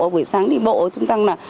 buổi sáng đi bộ tung tăng là